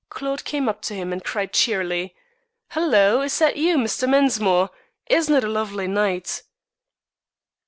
Claude came up to him and cried cheerily: "Hello! Is that you, Mr. Mensmore? Isn't it a lovely night?"